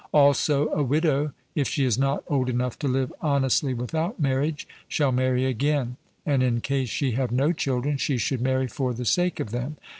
Also a widow, if she is not old enough to live honestly without marriage, shall marry again; and in case she have no children, she should marry for the sake of them.